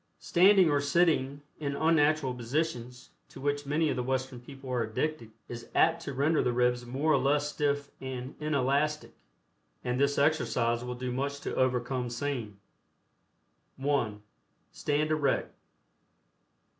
Standing or sitting in unnatural positions, to which many of the Western people are addicted, is apt to render the ribs more or less stiff and inelastic, and this exercise will do much to overcome same. (1) Stand erect.